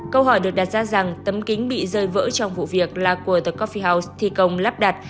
câu hỏi được đặt ra rằng tấm kính bị rơi vỡ trong vụ việc là của the coffeos thi công lắp đặt